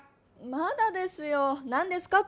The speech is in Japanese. まだですよ。何ですか？